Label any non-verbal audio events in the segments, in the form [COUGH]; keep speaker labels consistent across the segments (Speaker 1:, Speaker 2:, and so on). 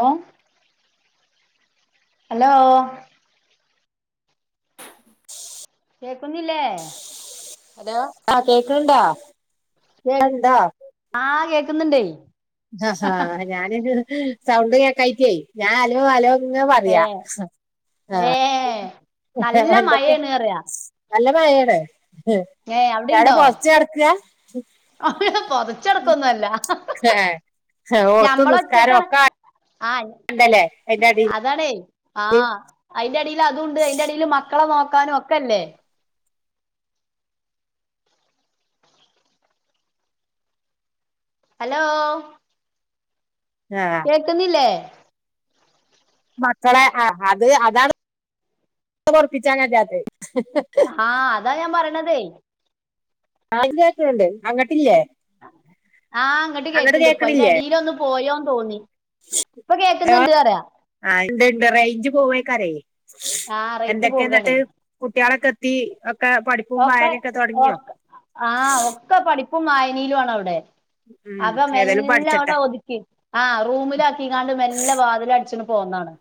Speaker 1: ഏ അലോ കേക്കുന്നില്ലേ
Speaker 2: ഹലോ ആ കേക്കണണ്ടാ
Speaker 1: [UNINTELLIGIBLE] ആഹ കേക്ക്ന്ന്ണ്ട്
Speaker 2: ആ ഹ ഞാന് ഇത് ഹ് സൗണ്ട് കേക്കയിറ്റെ ഞാൻ ആലോ ആലോ ഞാ പറയാ സ
Speaker 1: ഏ നല്ല
Speaker 2: എന്തൊക്കെ
Speaker 1: മഴയാണ്എന്ന് പറയാ
Speaker 2: നല്ല മഴാണ് [INAUDIBLE] പോത്ച് ട്ക്കാ
Speaker 1: [UNINTELLIGIBLE] പൊതച്ചെടുക്കൊന്നും അല്ല
Speaker 2: ഏ ഓത്തും
Speaker 1: ഞമ്മള്
Speaker 2: നിസ്കാരം
Speaker 1: ഒറ്റക്കാണ്
Speaker 2: ഒക്കെ
Speaker 1: ആഹ്
Speaker 2: ഉണ്ടല്ലേ അതിന്റെ അടിയില്
Speaker 1: അതാണേ ആഹ അയിന്റെടില് അതുണ്ട് അയിന്റെടില് മക്കളെ നോക്കാനും ഒക്കെ അല്ലേ ഹലോ
Speaker 2: ആ
Speaker 1: കേക്കുന്നില്ലേ
Speaker 2: മക്കള ആ അത് അതാണ് റൊ ഒറപ്പിച്ച ഞാജാത്ത്
Speaker 1: ആഹ അതാ ഞാൻ പറണതേ
Speaker 2: ആ യില് കേക്കണണ്ട് അങ്ങട്ടില്ല
Speaker 1: ആഹ ഇങ്ങട്ട് കേക്ക്ണ്ട് ഇപ്പ അയിന്റെ
Speaker 2: കേക്കണില്ലേ
Speaker 1: എടീല് ഒന്ന് പോയോന്ന് തോന്നി ഇപ്പൊ
Speaker 2: ആ
Speaker 1: കേക്കുന്നുണ്ട് പറയാ
Speaker 2: ആയിഞ്ചഞ്ച് റേഞ്ച് പോവേക്കറെ
Speaker 1: ആഹ് റേഞ്ച്
Speaker 2: എന്തൊക്കെ ന്നിട്ട്
Speaker 1: പോകാണേ
Speaker 2: കുട്ടിളൊക്കെ എത്തി ഒക്കെ പഠിപ്പും
Speaker 1: ഓക്കെ
Speaker 2: വായനൊക്കെ തുടങ്ങിയോ
Speaker 1: ഓക്ക് ആഹ ഒക്കെ പഠിപ്പും വായനീലുണ് അവടെ
Speaker 2: ഉം
Speaker 1: അപ്പം
Speaker 2: ഏതായാലും പഠിച്ചട്ടെ
Speaker 1: മെല്ലാവടെ ഒതുക്കി ആ റൂമില് ആക്കിക്കാണ്ട് മെല്ല വാതില് അടിച് പോന്നാണ്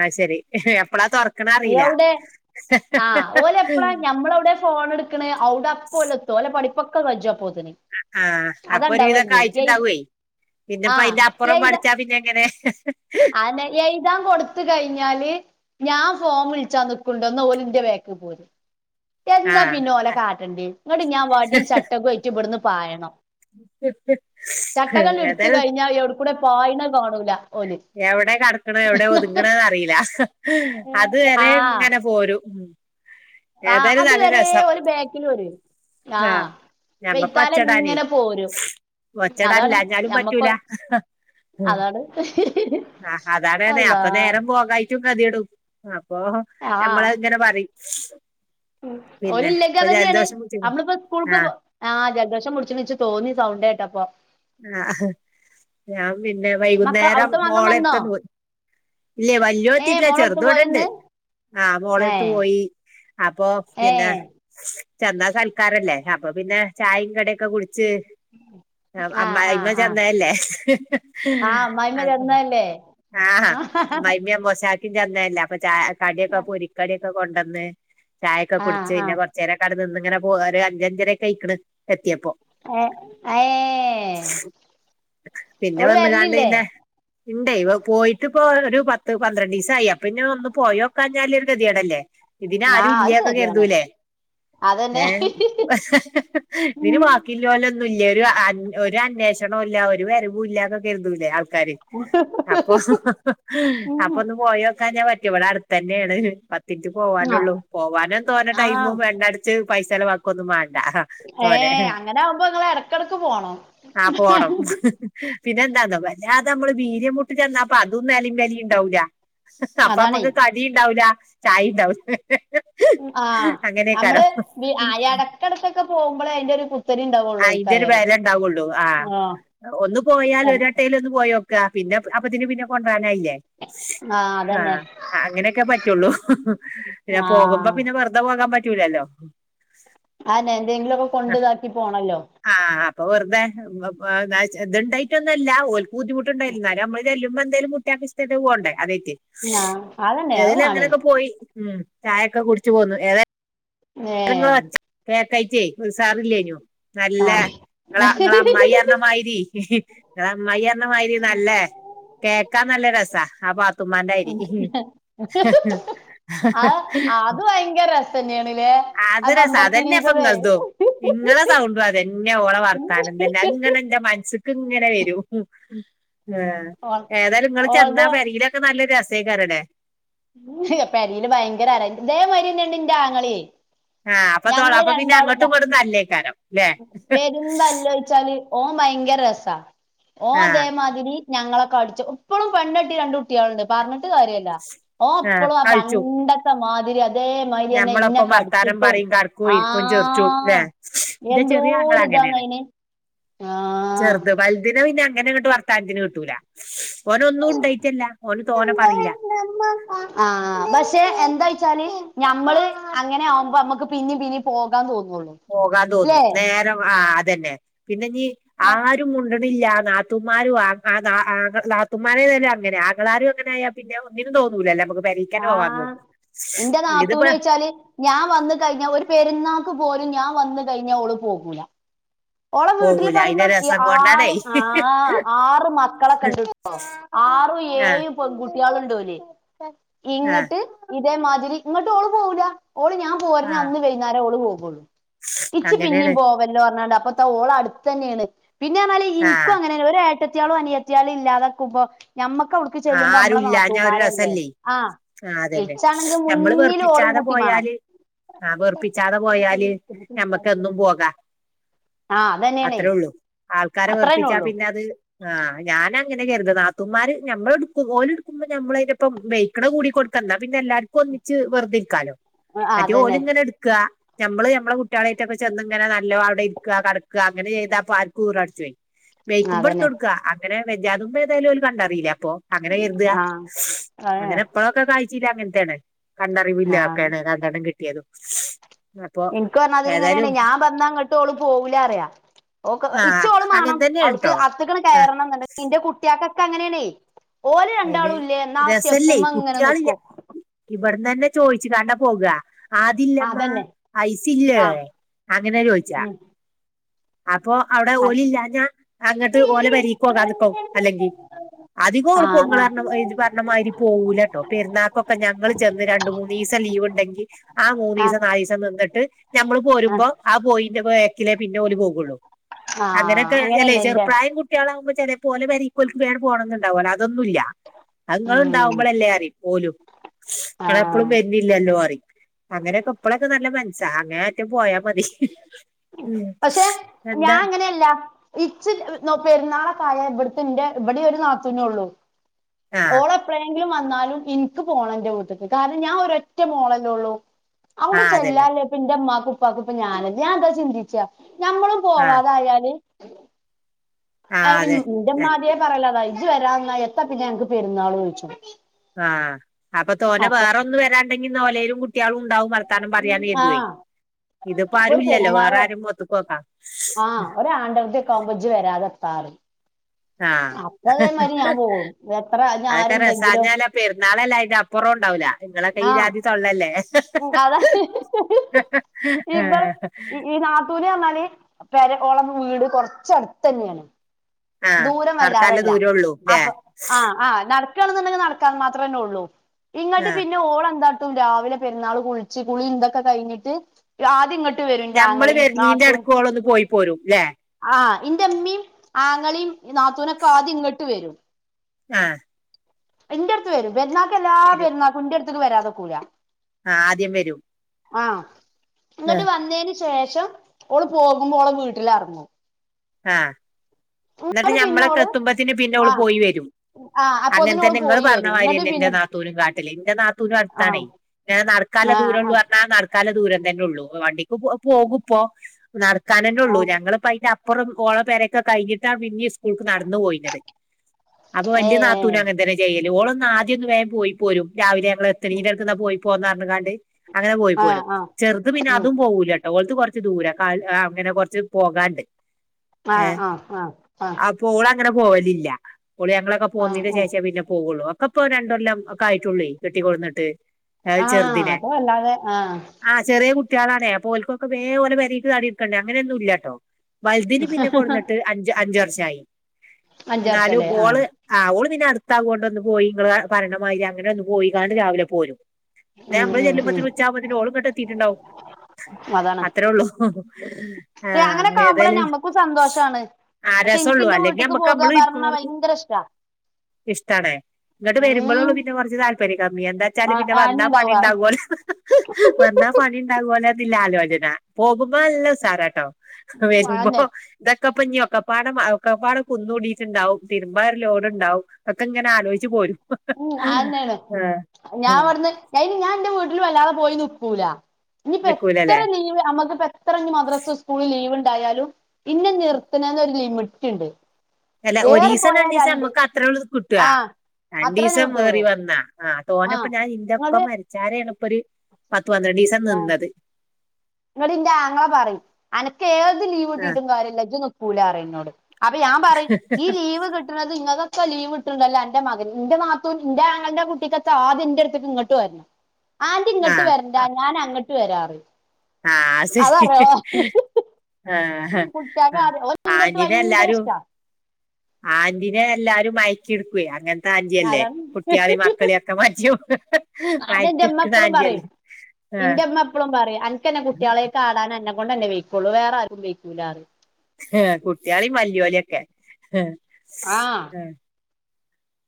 Speaker 2: ആഹ് ശരി എപ്പളാതൊർ
Speaker 1: നിയൌടെ ആഹ് ഓല് എപ്പളാ ഞമ്മളൗടെ ഫോൺ എടുക്ക്ണെ അൗടെ അപ്പോലെത്തും ഓലെ പഠിപ്പൊ
Speaker 2: അ ആഹ് അപ്പൊരു
Speaker 1: അതാണ്ടാവ
Speaker 2: വിതൊക്കെ
Speaker 1: ഇഞ്ഞ് എഴ്
Speaker 2: ആയിട്ടുണ്ടാവൊയ് പിന്നെപ്പ
Speaker 1: ആഹ്
Speaker 2: അയിന്റെ അപ്പുറം പടിച്ചാ പിന്നെ എങ്ങനെ
Speaker 1: അതന്നെ എഴുതാൻ കൊടുത്ത് കഴിഞ്ഞാല് ഞാൻ ഫോൺ വിളിച്ചാ നിക്ക്ണ്ടോന്നോല് ന്റെ ബേക്കി [UNINTELLIGIBLE] എന്താ
Speaker 2: ആഹ്
Speaker 1: പിന്നെ ഓല കാട്ടൻണ്ടിയെ ഇങ്ങട്ട് ഞാൻ വടിം ചട്ടകൈറ്റ് ഇവട്ന്ന് പായണം ചട്ടകങ് എട്ത്ത്
Speaker 2: ഏതായാലും
Speaker 1: കഴിഞ്ഞാൽ എവ്ട് കുടെ പായണ കാണൂല ഓല്
Speaker 2: എവടെ കടക്ക്ണ് എവിടെ ഒതുങ്ങണന്ന്റിയില്ല അത് വരെ ഇങ്ങനെ പോരും
Speaker 1: ആ
Speaker 2: ഏതായാലും
Speaker 1: അത്
Speaker 2: നല്ല
Speaker 1: വരെ
Speaker 2: രസം
Speaker 1: ഓല് ബാക്കിൽ വര് ആഹ്
Speaker 2: ഞമ്മക്ക് ഒച്ചടാനേ
Speaker 1: വെയ്ത്താലങ്ങനെ പോരും
Speaker 2: ഒച്ചടാൻ
Speaker 1: അതാണ്
Speaker 2: ഇല്ലാഞ്ഞാലും
Speaker 1: ഞമ്മക്ക്
Speaker 2: പറ്റൂല
Speaker 1: അതാണ്
Speaker 2: ആഹ് അതാണ്ന്നെ
Speaker 1: അള്ളാ
Speaker 2: അപ്പൊ നേരം പോകായ്റ്റും കെതിയെടും ആ അപ്പൊ നമ്മള ഇങ്ങനെ പറയും
Speaker 1: ഉം ഓല്
Speaker 2: പിന്നെ
Speaker 1: ഇല്ലെങ്കി
Speaker 2: ഇപ്പൊ
Speaker 1: അതന്നെയാണ്
Speaker 2: ജലദോഷം പിടിച്ചിന്
Speaker 1: നമ്മള്പ്പോ സ്കൂൾക്ക്
Speaker 2: ആഹ്
Speaker 1: പോ ആഹ് ജലദോഷം പിടിച്ച്ക്ക്ണ് ഇച്ച് തോന്നി സൗണ്ട് കേട്ടപ്പോ
Speaker 2: ആ ഞാൻ പിന്നെ
Speaker 1: മക്ക
Speaker 2: വൈകുന്നേരം
Speaker 1: അവിടുത്തെ മകൻ
Speaker 2: മോളെ
Speaker 1: വന്നോ
Speaker 2: എര്ത്തെന്ന് പോയി ഇല്ലെ
Speaker 1: ഏഹ്
Speaker 2: വല്ല്യോളെത്തിട്ടില്ല
Speaker 1: മോളടുത്ത്
Speaker 2: ചെറുതിവിടെ ഇണ്ട്
Speaker 1: പോയന്ന്
Speaker 2: ആഹ് മോളെടുത്ത്
Speaker 1: ഏഹ്
Speaker 2: പോയി അപ്പൊ പിന്നെ
Speaker 1: ഏഹ്
Speaker 2: ചെന്നാ സൽക്കാരല്ലേ അ അപ്പൊ പിന്നെ ചായിം കടിയൊക്കെ കുടിച്ച്
Speaker 1: ഉം
Speaker 2: അമ്മായ്മ്മ ചെന്നതല്ലേ
Speaker 1: ആഹ് അമ്മായിമ്മ
Speaker 2: അത
Speaker 1: ചെന്നതല്ലേ
Speaker 2: ആഹാ
Speaker 1: ആഹ്
Speaker 2: അമ്മായിമ്മിം അമ്മോശ [UNINTELLIGIBLE] ന്നല്ല അപ്പൊചായ കടിയൊക്കേ പൊരിക്കടിയൊക്കെ കൊണ്ടന്ന് ചായൊക്കേ കുടിച്ച്
Speaker 1: ആഹ്
Speaker 2: പിന്നെ കൊറച്ചേരൊക്കെ അടെ നിന്ന് അങ്ങനെ പോ ഒരു അഞ്ച്ഞ്ചരക്ക ആയിക്ക്ണ് എത്തിയപ്പോ
Speaker 1: [UNINTELLIGIBLE]
Speaker 2: [UNINTELLIGIBLE] പിന്നെ
Speaker 1: ഓള്
Speaker 2: വന്ന്ങ്ങാണ്ട്
Speaker 1: വരലില്ലേ
Speaker 2: പിന്നെ ഇണ്ട് പോയി യിട്ട്പ്പോ ഒരു പത്ത് പന്ത്രണ്ടിസായി അപ്പൊ [UNINTELLIGIBLE] ഒന്ന് പോയോക്കാഞ്ഞാൽ ഒരു ഗതികേടെല്ലേ ഇതിൻ
Speaker 1: ആ അത് ശരിയാണ്
Speaker 2: അരുല്യാകരുതൂലെ
Speaker 1: അതന്നെ
Speaker 2: ഏ [UNINTELLIGIBLE] ഹഹ് ഹഹ് ബാക്കില്ലോ ല്യ ഒരു ഒരു അന്വേഷണോല്ല ഒരു വരവൂല്ലാന്ന് കേരുതുലെ ആ കര് അപ്പൊ ഹ്ഹ ഹ്ഹ അപ്പൊന്ന് പോയോക്കാഞ്ഞ ഇവിടെ അടുത്തന്നെണ് പത്ത്നിറ്റ്
Speaker 1: ആ
Speaker 2: പോവാനുള്ളൂ പോവാനും തോനേ
Speaker 1: ആ
Speaker 2: ടൈമും എണ്ണട്ച്ച് പൈസ് ചെലവാക്കോന്നും വേ
Speaker 1: ഏ അങ്ങനെ അവുമ്പോ ഇങ്ങള് എട്കെട്ക്ക് പോണം
Speaker 2: ആ പോണം ഹഹ് പിന്നെ എന്താന്നോ വല്ലാതെ മ്മള് വീര്യം മുട്ടി ചെന്നപ്പ അതു [UNINTELLIGIBLE] നെല്ലി വെലിം ഉണ്ടാവൂല അപ്പോ
Speaker 1: അതാണേ
Speaker 2: മ്മക്ക് കടി ണ്ടാവൂല ചായ ഉണ്ടാവൂലാ ഹ ഹ
Speaker 1: ആ അമ്മള് വി ആ എട്കെട്കോകെ പോമ്പോളെ അതിന്റെ ഒരു ബുതി
Speaker 2: ആ യിന്റൊരു വെലണ്ടാവോള്ളൂ ആ ഒന്ന് പോയാൽ ഒരവട്ടേലും ഒന്ന് പോയോ ആ പിന്നെ അ അപ്പത്തിന് പിന്നെ കൊടോ വാനായില്ലേ ആ അങ്ങനെയൊക്കെ പറ്റുള്ളൂ ഹഹ് പിന്ന
Speaker 1: ആ
Speaker 2: പോകുമ്പോ പിന്നെ വെറുതെ പോകാൻ പറ് റ്റൂലല്ലോ
Speaker 1: അന്നെ എന്തെങ്കിലോക്കെ കൊണ്ടിതാക്കി പോണല്ലോ?
Speaker 2: പ്പൊ വെറുതെ [UNINTELLIGIBLE] ഇത് ണ്ടായിട്ടൊന്നമല്ല ഓൽക്ക് ബുദ്ധിമുട്ടുണ്ടായിൻ എന്നാലും മ്മ ചെല്ലുബോ ന്തേലും കുട്ടിയാൾക്ക് ഇഷ്ടായിട്ട് പോണ്ടേ
Speaker 1: ആ
Speaker 2: [UNINTELLIGIBLE]
Speaker 1: അതന്നെ അത്
Speaker 2: ഏതായാലും
Speaker 1: വാണേ
Speaker 2: അങ്ങനെക്കേപോയി മ് ചായൊക്കെ കുടിച്ച് പോന്ന് ഏത
Speaker 1: ഏ
Speaker 2: [UNINTELLIGIBLE] [UNINTELLIGIBLE] ഉസാറില്യന്നു നല്ല ഇങ്ങള ങ്ങള അമ്മായി
Speaker 1: ആ
Speaker 2: പറഞ്ഞ മായിരി ഇങ്ങളെ അമ്മായി പറഞ്ഞമായിരീന്നാല്ലേ കേക്കാൻ നല്ല രസ ആ പാത്തുമ്മന്റെ മരി ഹ്ഹ് ഹഹ് ഹ്
Speaker 1: അത്
Speaker 2: ഹ്ഹ് ഹ്
Speaker 1: അത് ഭയങ്കര രസം തന്നെയാണ്ല്ലേ ആ
Speaker 2: അത് രസ
Speaker 1: ബമ്പർ
Speaker 2: അതാന്നെനപോ
Speaker 1: ചിരിയുന്നതേ
Speaker 2: ഇങ്ങളതും ഇങ്ങളെ സൗണ്ടും അതന്നെ ഓള വർത്താന തന്നെ അങ്ങനെ എന്റെ മനസ്സക്ക് ഇങ്ങനെ വരും ഏ
Speaker 1: ഓൾ
Speaker 2: ഏതായാലും ഇങ്ങൾ ചെന്നാ
Speaker 1: ഓൾത്
Speaker 2: പേരിലൊക്കെ നല്ല രസായിക്കാരല്ലേ
Speaker 1: പ്ഹ് പേരിൽ ഭയങ്കര അര ഇതെ മരിന്നെണ് ഇ ന്റെഅങ്ങളി
Speaker 2: ആ അപ്പ തോ [UNINTELLIGIBLE] അപ്പ പിന്നെ അങ്ങോട്ടുംഇങ്ങട്ടും തല്ലേക്കാരം
Speaker 1: പെരുന്താല്ലോയിച്ചാല് ഓ ഭയങ്കര രസ ഓ
Speaker 2: ആ
Speaker 1: ദേമാതിരി ഞങ്ങളെ കടിച്ചു ഇപ്പഴും പെണ്ണട്ടി രണ്ട് കുട്ടിൾണ്ട് പറഞ്ഞിട്ട് കാര്യല്യ ഓ ഇപ്പോളും ആ പണ്ടേത്തെ മാതിരി അ തേ മരിന്നെ ഇന്നെ
Speaker 2: ഞമ്മളൊപ്പം വർത്താനം
Speaker 1: കടിച്ചിട്ടും
Speaker 2: പറയും കടക്കും
Speaker 1: ആ
Speaker 2: ഇരിക്കും ചെറിച്ചും ല്ലേ ഇന്റെ ചെറിയ ആങ്ങള
Speaker 1: എന്തോരു
Speaker 2: അങ്ങനെയാണ്
Speaker 1: ഇതാന്നയിന് ആഹ
Speaker 2: ചെറുത് വലുതിനെ പിന്നെ അങ്ങനെ അങ്ങട്ട് വർത്താനത്തിന് കിട്ടൂല [UNINTELLIGIBLE] ഓൻ ഒന്നും ഉണ്ടായിട്ടെല്ല ഓന് തോനെ പറയില
Speaker 1: ച്ചാല് ഞമ്മള് അങ്ങനെ ആകുമ്പോ നമ്മക്ക് പിന്നിം പിന്നിം പോകാൻ തോന്നും.
Speaker 2: പോകാൻ തോന്നും നേരം ആ അതന്നെ പിന്നെ നീ
Speaker 1: ഞ
Speaker 2: ആരും മുണ്ട്ണില്ല എന്ന നാത്തുമ്മാരും നാത്തുമ്മാരന്നെ അങ്ങനെ ആങ്ങളാരും അങ്ങനെ ആയാ പിന്നെ ഒന്നിനും തോന്നൂലല്ലോ നമ്മക്ക്
Speaker 1: ആഹ എന്റെ
Speaker 2: ഇതിപ്പോ
Speaker 1: നാത്തൂൻയ്ച്ചാല് ഞാൻ വന്ന് കഴിഞ്ഞ ഒരു പെരുന്നാ ക്ക്പോലും ഞാൻ വന്ന് കഴിഞ്ഞ ഓള് പോകൂല. ഓളെ വീട്ടില്
Speaker 2: പോകൂല അതിന്റെ
Speaker 1: പറയുമ്പം
Speaker 2: രസം കൊണ്ടാണേ
Speaker 1: ആറ് ആ ആറ് മക്കളെക്കെണ്ട്ട്ടോ ആറു,
Speaker 2: ആ
Speaker 1: ഏഴും പെൺങ്കുട്ടി യാളുണ്ടലി
Speaker 2: ആ
Speaker 1: ഇങ്ങട്ട് ഇതേമാതിരി ഇങ്ങട്ട് ഓള് പോവൂല ഓള് ഞാൻ
Speaker 2: ആ
Speaker 1: പോര്ന അന്ന് വൈന്നേരഓള് പോകളളൂ. ഇച്ച് പിന്നിം
Speaker 2: അങ്ങനെയാണ്
Speaker 1: പോവല്ലോ പറഞ്ഞാണ്ട് ഓള അടുത്ത് തന്നെയാണ് പിന്നെ പറാല്
Speaker 2: ആ
Speaker 1: ഇനിക്കും അങ്ങനെ ഒരു ഏട്ടത്തിയാളും അനിയത്തിയാളും ഇല്ലാതാക്കുമ്പോ ഞമ്മക്ക് അവിടക്ക് ചെല്ലുമ്പോ നമ്മളെ
Speaker 2: ആരും ഇല്ല ഞാൻ ഒരു
Speaker 1: നാത്തൂമാരല്ലേ
Speaker 2: രസല്ലേ
Speaker 1: ആ
Speaker 2: ആ അതന്നെ നമ്മള് വെറുപ്പിച്ചാതെ
Speaker 1: കൂട്ടിം മാണം
Speaker 2: പോയാല് ആ വെറപ്പിച്ചാതെ പോയാല് മ്മക്കന്നും പോകാം
Speaker 1: ആഹ് അതന്നേണേ
Speaker 2: അത്രേ ഉള്ളൂ ആൾക്കാരെ
Speaker 1: അത്രന്നെ
Speaker 2: വെറപ്പിച്ചാ
Speaker 1: ഒള്ളൂ
Speaker 2: പിന്നെ അത് ആ ഞാന അങ്ങനെത് നാത്തമാര് നമ്മടു ഓലെടുക്കുമ്പോ നമ്മപ്പ ബക്കണ കൂടി കൊടുക്കണ്ട പിന്നെ എല്ലർക്കും മിച്ച് വർദ്ധിക്കാലോ
Speaker 1: ആഹ്
Speaker 2: മറ്റേ ഓല
Speaker 1: അതന്നെ
Speaker 2: ഇങ്ങനെ എടുക്കുക നമ്മള് മ്മെ കുട്ടികളിയട്ടൊക്കെ ചെന്ന ഇങ്ങനെ നല്ലോ അവിടെ ഇരിക്കുക കട അങ്ങനെ ചെയ്താപ്പൊ ആർക്കും അടച്ച് [INAUDIBLE] യി വേക്കുമ്പോഴ
Speaker 1: അതന്നെ
Speaker 2: തടുക്കുക അങ്ങനെ അതുമ്പ ഏതായാലും ഒരു കണ്ടറിയില്ല [INAUDIBLE] ഇപ്പൊ അങ്ങനെ കരുതുക
Speaker 1: ആഹ്
Speaker 2: അങ്ങനെ എപ്പഴൊക്കെ കഴിച്ചില്ല അങ്ങനത്താണ് കണ്ടറിവില്ല
Speaker 1: ആഹ്
Speaker 2: ഒക്കെയാണ് രണ്ടെണ്ണം കിട്ടിയത്
Speaker 1: എനിക്ക് പറഞ്ഞാൽ അതിരി ഇങ്ങനെയാണ് ഞാൻ വന്നാങ്ങോട്ട്ഓള് പോകൂല ഓ
Speaker 2: ആഹ്
Speaker 1: ഇച്ചോള
Speaker 2: അങ്ങനെ
Speaker 1: വേണം
Speaker 2: തന്നെയാണ്
Speaker 1: അവക്ക്
Speaker 2: ട്ടോ
Speaker 1: അക്ക കറണം നിന്റെ കുട്ടിയക്കെ അങ്ങനെയണ ഓര്
Speaker 2: അയിന്
Speaker 1: രണ്ടാളും ഇല്ലേ നായ
Speaker 2: രസല്ലേ
Speaker 1: സ്റ്റെപ്പമ്മ അങ്ങനെ
Speaker 2: കുട്ട്യാളില്ല
Speaker 1: നിക്കോ
Speaker 2: ഇവിടന്ന് തന്നെ ചോയിച്ചു കണ്ടാ പോകുക
Speaker 1: ആ
Speaker 2: ആതില്ലമ്മ
Speaker 1: അതന്നെ
Speaker 2: പൈസല്ലേ
Speaker 1: ആ
Speaker 2: അങ്ങനെ ചോദിച്ചാ
Speaker 1: ഉം
Speaker 2: അപ്പൊ അവിടെ
Speaker 1: ആ
Speaker 2: ഒഓല ഇല്ലാഞ്ഞാ അങ്ങട്ട് ഓല വരിക്കോക നിക്കോ അല്ലെങ്കിൽ അധികം
Speaker 1: ആ
Speaker 2: എളുപ്പങ്ങ ഇ പറഞ്ഞ മാതിരി പോകൂലട്ടോ പെരുന്നാക്കൊക്കെ ഞങ്ങള് ചെന്ന് രണ്ട മൂന്നീസ ലീവ് ഉണ്ടെങ്കിൽ ആ മൂന്ന ദിവസം നാല ദിവസം നിന്നിട്ട് ഞമ്മള് പോരുമ്പോ ആ പോയി ക്കിലേ പിന്നെ ഓലു പോകുള്ളു
Speaker 1: ആ
Speaker 2: അങ്ങനെയൊക്കെ അല്ലേ
Speaker 1: അങ്ങനെയല്ലേ എന്റെ
Speaker 2: ചെറുപ്രായം കുട്ടികളാകുമ്പ ചെ പോലെ വരക്കോക്കക്ക് വേണ പോകണംന്ന ഉണ്ടാവകല്ലോ അതൊന്നുമല്ല അതുങ്ങൾ
Speaker 1: ഉം
Speaker 2: ഉണ്ടാവുമ്പോ [INAUDIBLE] ൾ എല്ലാം അറിയും പോലു
Speaker 1: ആ
Speaker 2: നിങ്ങള എപ്പഴും വരുന്നില്ലല്ലോ അറി അങ്ങനെയൊക്കെ ഇപ്പഴൊക്കെ നല്ല മനസാ അങ്ങനെ ആറ്റ പോയാ മതി ഉ
Speaker 1: പക്ഷെ ഞാൻ അങ്ങനെയല്ല ഇച്ച നോ പെരുന്ന ഇവിടുത്തെ എന്റെ ഇവിടെ ഒരു നാത്തുനേള്ളു
Speaker 2: ആഹ്
Speaker 1: ഓള് എപ്പളെങ്കിലും എന്നാലും എനിക്ക് പോണന്റെ വീട്ടിക്ക് കാരണം ഞാൻ ഒര ഒറ്റ മ മോളല്ല ഉള്ളൂ അവിടെ
Speaker 2: ആഹ് അതന്നെ
Speaker 1: ചെല്ലാല്ലേ പിന്റെ ഇമാക്ക് ഉപ്പക്ക് ഇപ്പ ഞാൻ ഞാൻ എതാ ചിന്തിച്ച ഞമ്മളും
Speaker 2: ആഹ്
Speaker 1: പോവാത്തയാല് അ
Speaker 2: ആഹ് അതെ
Speaker 1: യ്ന്ഇന്റെമാതിയേ പറയലതാ ഇജ് വരാത്തെഎത്താ പിന്നെ ഞങ്ങക്ക് പെരുന്നാൾ
Speaker 2: ആ അപ്പൊ തോനെ വേറൊന്നും വരാണ്ടെങ്കിന്ന് ഓലെും കുട്ടയാളും ഉണ്ടാവും വർത്താനം പറയാനും എന്നു
Speaker 1: ആഹ്
Speaker 2: കരുത്തുംഇതിപ്പോ ആരും ഇല്ലല്ലോ വേറെ ആരും മോത്ക്ക് നോക്കാം
Speaker 1: ആ ഒ ആണ്ടരത്തി ആക്കുമ്പോ ഇജ്‌വരാതെഎന്താ
Speaker 2: ആഹ്
Speaker 1: അപ്പ അതേമാതിരി ഞാൻ പോകും എത്ര
Speaker 2: അതൊക്കെ
Speaker 1: ആരുണ്ടെങ്കിലും
Speaker 2: രസാഞ്ഞാലാ പെരുന്നാളല്ലേ അയിന്റെ അപ്പുറം ഉണ്ടാവൂല നിങ്ങളൊക്കെ ഈ
Speaker 1: ആ
Speaker 2: ജാതി തൊള്ളല്ലേ
Speaker 1: അത ഇ ഇമ്പൾ നാത്തുൻ നാത്തൂൻവന്നാല് പോര വീട് കൊറച്ചടുത്ത് തന്നെയാണ്
Speaker 2: ആഹ് നടക്കാല്ല
Speaker 1: ദൂരമല്ലതല്ല
Speaker 2: ദൂരൊള്ളൂ ല്ലേ
Speaker 1: അപ്പൊ ആ ആ നടന്ന് നടക്കാന്നുണ്ടെങ്കിൽ നടക്കാൻ മാത്രമേ ഉള്ളൂ
Speaker 2: ആ
Speaker 1: ഇപ്പോെള് എന്താ അടുംരാവിലെ പെരുന്നാൾ കുളിച്ച് കുളി ഇന്തൊക്കെ കഴിഞ്ഞിട്ട് ആദ്യ ഇങ്ങോട്ട് ഇങ്ങട്‌വരും
Speaker 2: ഞമ്മള്
Speaker 1: എന്റെആങ്ങളിം
Speaker 2: വരുന്നീന്റെ
Speaker 1: നാത്തു നു
Speaker 2: എടക്ക് ഓളൊന്ന് പോയി പോരും ല്ലേ
Speaker 1: ആ എന്റെ ഇമ്മീയും ആങ്ങളിയും നാത്തൂനൊക്കെ ആദ്യം ഇങ്ങോട്ട് വരും
Speaker 2: ആ
Speaker 1: ഇന്റെറ അടുത്ത് വരും പെരുന്നാക്ക് എല്ലാ പെരുന്നാക്കും എന്റെ അടുത്തേക്ക് വരാതെ പോവുലാ
Speaker 2: ആ ആദ്യം വരും
Speaker 1: ആ
Speaker 2: ആ
Speaker 1: എങ്ങട്ട് വന്നതിന് ശേഷം ഓള് പോകുമ്പോ ഓളെ വീട്ടില ഇറങ്ങു
Speaker 2: ആ
Speaker 1: [INAUDIBLE]
Speaker 2: എന്നിട്ട് ഞമ്മളെെ
Speaker 1: ഓള്
Speaker 2: എത്തുമ്പത്തിന് പിന്നെ ഓള്
Speaker 1: ആഹ്
Speaker 2: പോയി വരും
Speaker 1: ആഹ് അപ്പോത്തിന് ഓള്
Speaker 2: അങ്ങനെത്തെന്നെ നിങ്ങള്
Speaker 1: പോയി
Speaker 2: പറഞ്ഞ
Speaker 1: വരും ഇങ്ങട്ട്
Speaker 2: മാരിതന്നെ എൻന്റെ
Speaker 1: പിന്നെ
Speaker 2: നാത്തൂനും കാട്ടല് എന്റെ നാത്തൂനും അടുത്താണേ
Speaker 1: ആഹ്
Speaker 2: ഞാൻ നടക്കാല
Speaker 1: ആഹ്
Speaker 2: ദൂരള്ളു
Speaker 1: ആഹ്
Speaker 2: പറഞ്ഞാൽ നടക്കാല ദൂരം തന്നെ ഉള്ളൂ വണ്ടിക്ക് പോകുമപ്പോ
Speaker 1: ആഹ്
Speaker 2: അപ്പ റെ ഓള പേരൊക്ക കഴിഞ്ഞിട്ട് അണ് പിന്നെ നടന്നന്ന് പോയിത് അപ്പൊ വലിയ നാത്തൂന
Speaker 1: ഏഹ്
Speaker 2: അങ്ങന തന്നെ ചെയ്യല്ല ഓള് ആദ്യം ഒന്ന് പോയിപോരും രാവിലെ ഞങ്ങൾ എത്തി നെന്റ മുന്നോ പോയി പേര് പറഞ്ഞുകാണ്ട് അങ്ങനെ പോയി
Speaker 1: ആഹ്
Speaker 2: പോരും
Speaker 1: ആഹ്
Speaker 2: ചെറുത് പിന്നെ
Speaker 1: ഉം
Speaker 2: അതും പോവുലട്ടോ ഓലത്ത് കുറച്ച് ദൂര അങ്ങനെ കൊറച്ച് പോകാണ്ട് ഏ
Speaker 1: ആഹ് ആഹ് ആഹ് ആഹ്
Speaker 2: അപ്പൊ ഓള് അങ്ങനെ പോകലില്ല ഓൾ ഞങ്ങളൊക്കെ
Speaker 1: ആഹ്
Speaker 2: പോന്നീന്
Speaker 1: ഉം
Speaker 2: ശേഷേ പിന്നെ പോവുള്ളൂ ഓള് ഇപ്പോരണ്ടല്ലം ഒക്കെ ആയിട്ടുള്ളി കെട്ടിക്കൊടന്നിട്ട് അത്
Speaker 1: ആഹ്
Speaker 2: ചെറുദിനെ
Speaker 1: അപ്പൊ വല്ലാതെ ആഹ്
Speaker 2: ആഹ ചെറിയ കുട്ടി കുട്ടിളാണേ ആ ഓല്ക്കൊക്കെ വേ പോരക്ക് തടിയിക്കണ്ടേ അങ്ങനൊ ഒന്നുമല്ലാട്ടോ വലുതിന് പിന്നെ കൊടുന്നിട്ട് അഞ്ച് അഞ്ച് വർഷമായി
Speaker 1: അഞ്ച്
Speaker 2: എന്നാലും
Speaker 1: വർഷല്ലേ ആഹ്
Speaker 2: ഓള് ആ ഓള് അടുത്തകോണ്ടന്ന് പോയി നിങ്ങൾ പറിണമായി അങ്ങനെ ഒന്ന് പോയി കാണ്ട് രാവിലെ പോരും
Speaker 1: ഉം
Speaker 2: നമ്മള്
Speaker 1: ഉം ഉം
Speaker 2: ചെല്ലുമ്പത്തിന് ഉച്ച ആവത്തിന് ഓള് ഇങ്ങേട്ടെത്തിയിട്ടുണ്ടാവും
Speaker 1: അതാണ്
Speaker 2: അത്ര ഉള്ളു
Speaker 1: അങ്ങനൊക്കെ
Speaker 2: ആഹ
Speaker 1: ആവുമ്പളെ
Speaker 2: എന്തയാലും
Speaker 1: ഞമ്മക്കും സന്തോഷാണ്
Speaker 2: ആ
Speaker 1: പക്ഷെ
Speaker 2: രസം
Speaker 1: ഇൻക്ക്
Speaker 2: ഒള്ളൂ
Speaker 1: ഇന്റെ
Speaker 2: അല്ലെങ്കി
Speaker 1: വീട്ട്ക്ക്
Speaker 2: നമ്മക്ക്
Speaker 1: പോകാ
Speaker 2: നമ്മള
Speaker 1: പറഞ്ഞാ
Speaker 2: ഇരിക്ക്ണോടത്ത്
Speaker 1: ഭയങ്കര ഇഷ്ടാ
Speaker 2: ഇഷ്ട്ടാണ് ഇങ്ങോട്ട്
Speaker 1: ഉം
Speaker 2: വരുമ്പോഴേള്ളൂ പിന്നെ കുറച്ച് താല്പര്യ കമ്മി എന്താ വച്ചാല്
Speaker 1: ആഹ്
Speaker 2: പിന്നെ വന്നാ
Speaker 1: ആഹ് ആഹ്
Speaker 2: പണിണ്ടാവുല്ലോ പണി ഇണ്ടാവല്ലോപിന്നെ ആലോചന പോകുമ്പോ നല്ല ഉസാറാട്ടോ വരുമ്പോ
Speaker 1: അതെന്നെ
Speaker 2: ഇ ഇക്ക്പ്പഞ്ഞ ഒക്കൊപ്പാടെ ഒക്കൊപ്പാടെ കുന്നൂടിയിട്ടുണ്ടാവും തിരുമ്പരിലോണ്ടാവും ഇതൊക്കെ അങ്ങനെ ആലോയിച്ച് പോരും
Speaker 1: ഉം അന്നെയാണ് ഞാൻ
Speaker 2: ആഹ്
Speaker 1: ഇവിടെന്ന് അയിന് ഞാൻ എൻന്റെ വീട്ടിൽ വല്ലാതെ പോയി നിക്കു നിക്കു ലാഇനിപ്പോ എത്ര
Speaker 2: നിക്കൂലല്ലേ
Speaker 1: ലീവ് നമ്മക്ക് എത്ര മദ്രസ്റ്റ സ്കൂൾ ലീവ് എന്തായാലും എന്നെ നിർത്തണന്ന ഒരു ലിമിറ്റ് ഉണ്ട്
Speaker 2: അല്ല ഒരിസം രണ്ട് ദിവസം നമ്മുക്ക് അത്രേ ഉള്ളത് കിട്ടുക
Speaker 1: ആഹ് അത്രന്നെ
Speaker 2: രണ്ടിസം
Speaker 1: കിട്ടൊള്ളൂ
Speaker 2: വേറി വന്ന ആ
Speaker 1: ആഹ്
Speaker 2: തോന്നപ്പ ഞാൻ ഇന്റെപ്പ
Speaker 1: ഇങ്ങട്
Speaker 2: മരിച്ചാരെണ് ഇപ്പൊ രു പ പത്ത് പന്ത്രണ്ടീസം നിന്നത്
Speaker 1: ങ്ങള് ന്റെ ആങ്ങളപറയും അനക്ക് ഏത് ലീവ്
Speaker 2: ആ
Speaker 1: കിട്ടിട്ടും കാര്യല്ല ജ് നിക്കൂല റിയും എന്നോട് അപ്പൊ ഞാൻ പറയും ഈ ലീവ് കിട്ട ഇപ്പൊ ലീവ് ട്ടുണ്ടല്ലോ അന്റെ മകന്
Speaker 2: ആ
Speaker 1: ആദ്യങ്ങട്ട് വരണ്ട ഞാൻ അങ്ങട്ട് വരാറിയും
Speaker 2: ആ ശരി
Speaker 1: അതറിയോ
Speaker 2: ആഹ്
Speaker 1: കുട്ടിയാൾക്ക്
Speaker 2: ആഹ്
Speaker 1: ആഗ്രഹം ഓൽകിന്റെ ടുത്ത്
Speaker 2: ആന്റിനെ
Speaker 1: ഭയങ്കര
Speaker 2: എല്ലാരും
Speaker 1: ഇഷ്ടാ
Speaker 2: ആന്റിനെ എല്ലാരും മയക്കിെടുക്കും അങ്ങന മാ ജ്യല്ലേ
Speaker 1: അതാണ്
Speaker 2: കുട്ടികളി മക്കളിയൊക്കെ മാറ്റ
Speaker 1: അതെന്നെ ഇന്റെമ്മ എപ്പളും
Speaker 2: വായിക്കക്കുന്നാചല്ലേ
Speaker 1: പറയും ഇന്റെമ്മ പ്പളും പറയ എനിക്ക് ഇന്റെ കുട്ടികളെ കാണാൻ എന്നെ കൊണ്ട്ണ്ടന്നെ വെക്കുള്ളൂ വേറെ ആർക്കും വെക്കൂലാന്ന്
Speaker 2: ആ കുട്ടിയാളെയും വലിയൊലെയും ഒക്കെ
Speaker 1: ആ